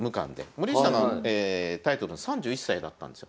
森内さんはタイトル３１歳だったんですよ。